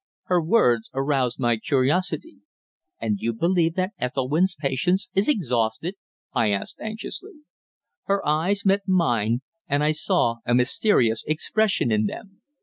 Her words aroused my curiosity. "And you believe that Ethelwynn's patience is exhausted?" I asked, anxiously. Her eyes met mine, and I saw a mysterious expression in them.